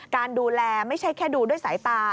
การดูแลไม่ใช่แค่ดูด้วยสายตา